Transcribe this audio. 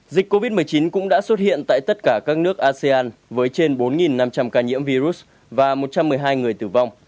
dịch covid một mươi chín cũng đã xuất hiện tại tất cả các nước asean với trên bốn năm trăm linh ca nhiễm virus và một trăm một mươi hai người tử vong